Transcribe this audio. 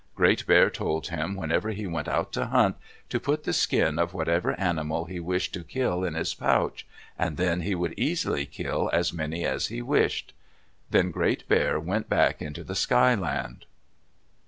Great Bear told him whenever he went out to hunt, to put the skin of whatever animal he wished to kill in his pouch, and then he would easily kill as many as he wished. Then Great Bear went back into the Sky Land.